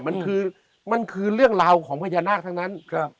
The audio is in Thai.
มันคือมันคือเรื่องราวของพญานาคทั้งนั้น